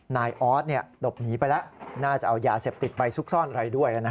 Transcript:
นายออสหลบหนีไปแล้วน่าจะเอายาเสพติดไปซุกซ่อนอะไรด้วย